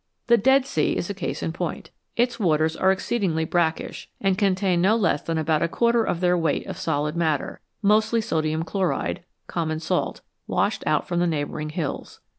The Dead Sea is a case in point. Its waters are exceedingly brackish, and contain no less than about a quarter of their weight of solid matter, mostly sodium chloride (common salt) washed out from the neighbour ing hills.